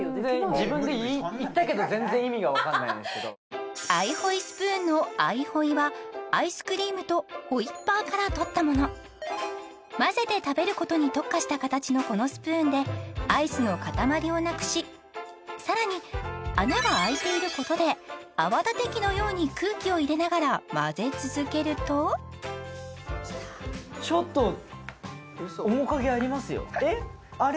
自分で言ったけど全然意味が分からないんですけどアイホイスプーンのアイホイはアイスクリームとホイッパーからとったものでアイスの塊をなくしさらに穴が開いていることで泡立て器のように空気を入れながら混ぜ続けるとちょっと面影ありますよえっあれ？